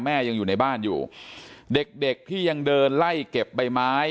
ยังอยู่ในบ้านอยู่เด็กเด็กที่ยังเดินไล่เก็บใบไม้